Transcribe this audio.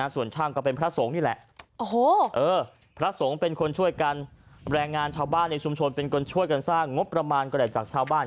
ส่วนช่างก็เป็นพระสงฆ์นี่แหละพระสงฆ์เป็นคนช่วยกันแรงงานชาวบ้านในชุมชนเป็นคนช่วยกันสร้างงบประมาณก็ได้จากชาวบ้าน